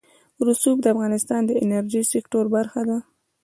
رسوب د افغانستان د انرژۍ سکتور برخه ده.